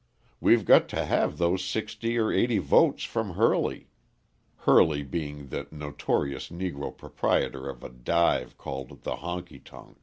We've got to have those sixty or eighty votes from Hurley" Hurley being the notorious Negro proprietor of a dive called the Honky Tonk.